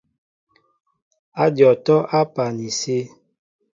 Ádyɔŋ atɔ́' á pɛ ni sí.